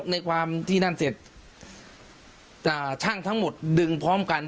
ในความที่นั่นเสร็จช่างทั้งหมดดึงพร้อมกัน